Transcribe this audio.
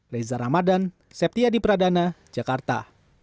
reza ramadan septiadi pradana jakarta